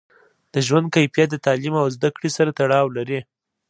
د ژوند کیفیت د تعلیم او زده کړې سره تړاو لري.